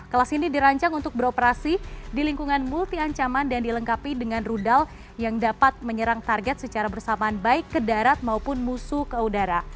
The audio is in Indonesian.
kelas ini dirancang untuk beroperasi di lingkungan multi ancaman dan dilengkapi dengan rudal yang dapat menyerang target secara bersamaan baik ke darat maupun musuh ke udara